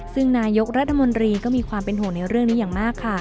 ซึ่งนายกรัฐมนตรีก็มีความเป็นห่วงในเรื่องนี้อย่างมากค่ะ